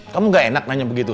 kamu gak enak nanya begitu